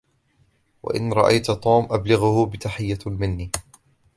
و إن رأيت توم ، أبلغه بتحية مني.